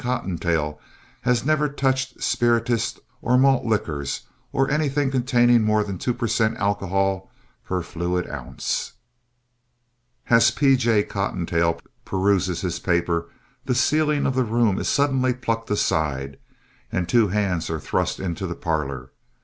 Cottontail has never touched spirituous or malt liquors or anything containing more than two per cent of alcohol per fluid ounce. As P. J. Cottontail peruses his paper the ceiling of the room is suddenly plucked aside and two hands are thrust into the parlor.